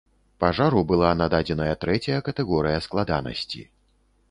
Пажару была нададзеная трэцяя катэгорыя складанасці.